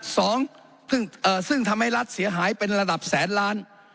สองซึ่งทำให้รัฐเสียหายเป็นระดับแสนล้าน